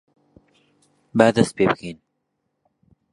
با دەست پێ بکەین!